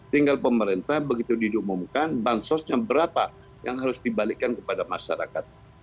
tinggal pemerintah begitu diumumkan bansosnya berapa yang harus dibalikkan kepada masyarakat